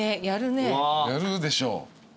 やるでしょ。